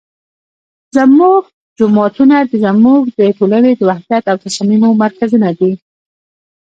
زمونږ جوماتونه زمونږ د ټولنې د وحدت او تصاميمو مرکزونه دي